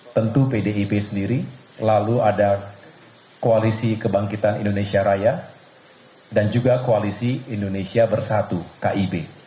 tentu pdip sendiri lalu ada koalisi kebangkitan indonesia raya dan juga koalisi indonesia bersatu kib